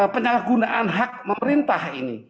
penyalahgunaan hak pemerintah ini